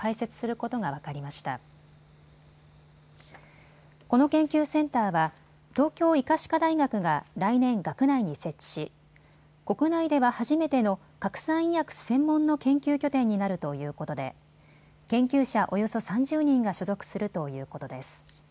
この研究センターは東京医科歯科大学が来年、学内に設置し国内では初めての核酸医薬専門の研究拠点になるということで研究者およそ３０人が所属するということです。